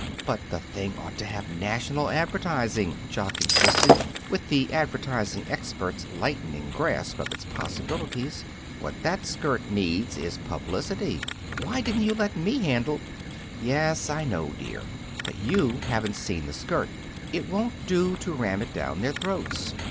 "But the thing ought to have national advertising," Jock insisted, with the advertising expert's lightning grasp of its possibilities. "What that skirt needs is publicity. Why didn't you let me handle " "Yes, I know, dear; but you haven't seen the skirt. It won't do to ram it down their throats.